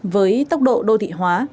với tốc độ đô thị hóa